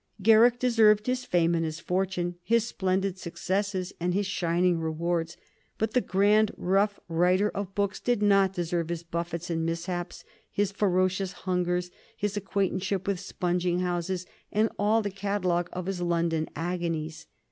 Garrick deserved his fame and his fortune, his splendid successes and his shining rewards; but the grand, rough writer of books did not deserve his buffets and mishaps, his ferocious hungers, his acquaintanceship with sponging houses, and all the catalogue of his London agonies.